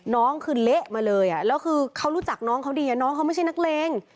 น้องคือเละมาเลยแล้วคือเขารู้จักน้องเขาดีน้องเขาไม่ใช่นักเลง